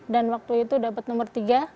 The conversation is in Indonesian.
dan waktu itu dapat nomor tiga